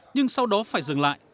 nhưng sau đó phải dừng lại